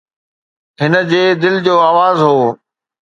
هن جي دل جو آواز هو.